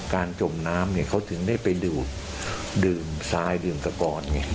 การจมน้ำเนี่ยเขาถึงได้ไปดื่มดื่มสายดื่มสะกอนไง